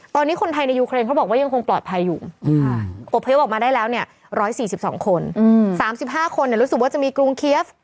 ตอนนี้คนไทยในยูเครนเขาบอกว่ายังคงปลอดภัยอยู่อบพยพออกมาได้แล้วเนี่ย๑๔๒คน๓๕คนรู้สึกว่าจะมีกรุงเคียฟ